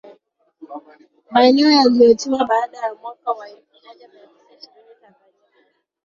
Maeneo yaliyoitwa baadaye mwaka elfu moja mia tisa ishirini Tanganyika